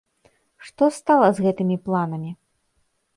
Што стала з гэтымі планамі?